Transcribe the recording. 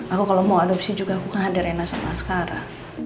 aku kalau mau adopsi juga aku kan ada rena sama askara